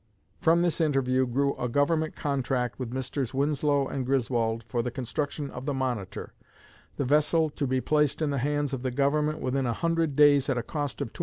From this interview grew a Government contract with Messrs. Winslow and Griswold for the construction of the 'Monitor,' the vessel to be placed in the hands of the Government within a hundred days at a cost of $275,000.